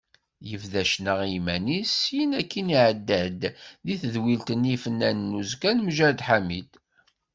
Yebda ccna i yiman-is, syin akkin iɛedda-d deg tedwilt-nni Ifennanen n uzekka n Mǧahed Ḥamid.